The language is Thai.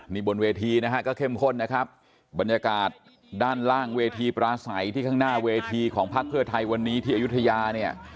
นี่บนเวทีนะฮะก็เข้มข้นนะครับบรรยากาศด้านล่างเวทีปราศัยที่ข้างหน้าเวทีของพักเพื่อไทยวันนี้ที่อายุทยาเนี่ย